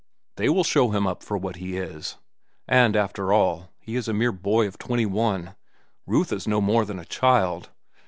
They will show him up for what he is. And after all, he is a mere boy of twenty one. Ruth is no more than a child.